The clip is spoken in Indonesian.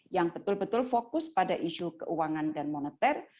yang betul betul fokus pada isu keuangan dan moneter